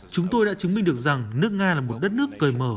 chúng tôi đã chứng minh được rằng nước nga là một đất nước cởi mở